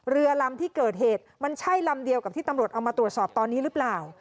เรือลำที่เกิดเหตุมันใช่ลำเดียวกับที่ตำรวจเอามาตรวจสอบตอนนี้หรือเปล่า